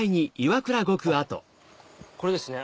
あっこれですね